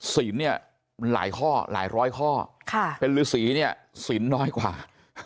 เนี่ยหลายข้อหลายร้อยข้อเป็นฤษีเนี่ยศีลน้อยกว่า